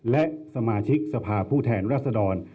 และสมาชิกสภาพผู้แทนรัศดร